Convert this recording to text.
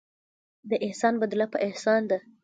د احسان بدله په احسان ده.